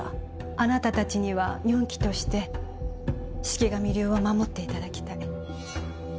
あなたたちには四鬼として四鬼神流を守っていただきたい